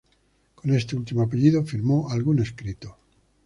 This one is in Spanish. Con este último apellido firmó algún escrito.